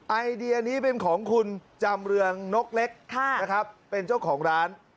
ไอเดียนี้เป็นของคุณจำเรืองนกเล็กนะครับเป็นเจ้าของร้าน